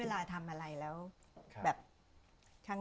เอ๊ะนี่มันยากจัง